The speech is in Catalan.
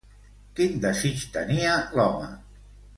Quin desig tenia l'home?